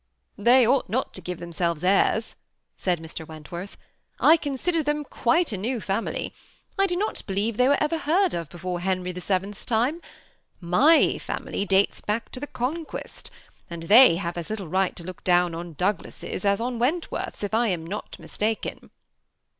*^ They ought not to give themselves airs," said Mr. Wentworth ;^ I consider them quite a uew family. I do not believe they were heard of before Henry the Seventh's time. My family dates back to the Con quest ; and they have as litde right to look down on Douglases as on Wentworths, if I am not mistaken."